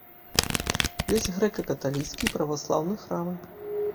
Ёсць грэка-каталіцкі і праваслаўны храмы.